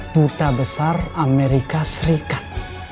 buta besar amerika serikat